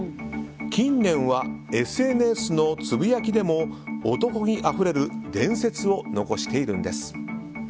近年はＳＮＳのつぶやきでも男気あふれる伝説を残しているんです。